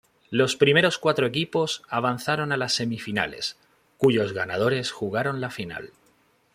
Los primeros cuatro equipos avanzaron a las semifinales, cuyos ganadores jugaron la final.